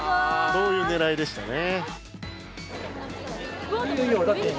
そういうねらいでしたね。